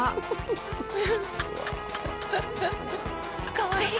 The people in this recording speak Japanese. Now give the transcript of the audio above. かわいい。